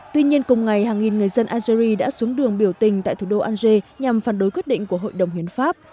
tuy nhiên cùng ngày hàng nghìn người dân algeria đã xuống đường biểu tình tại thủ đô alger nhằm phản đối quyết định của hội đồng hiến pháp